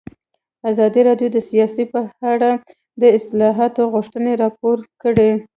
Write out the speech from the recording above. ازادي راډیو د سیاست په اړه د اصلاحاتو غوښتنې راپور کړې.